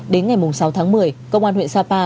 đến ngày sáu tháng một mươi công an huyện sapa